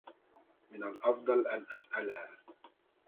من الأفضل أن أسئلها.